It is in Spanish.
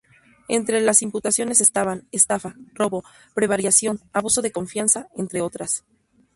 Entre las imputaciones estaban: estafa, robo, prevaricación, abuso de confianza, entre otras.